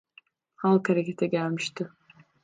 Halk harekete gelmişti.